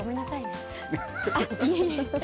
いえいえ。